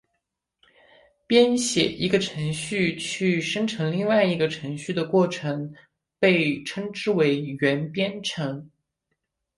编写一个程序去生成另外一个程序的过程被称之为元编程。